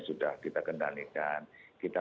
sudah kita kendalikan kita